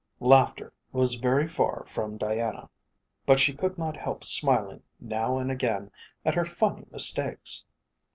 Laughter was very far from Diana, but she could not help smiling now and again at her funny mistakes.